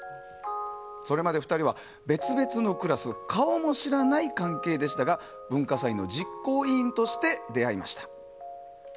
それまで２人は別々のクラス顔も知らない関係でしたが文化祭の実行委員として出会いました。